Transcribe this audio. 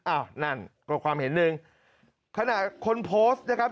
อ้าวนั่นก็ความเห็นหนึ่งขณะคนโพสต์นะครับ